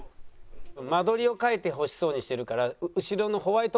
間取りを描いてほしそうにしてるから描いてよ。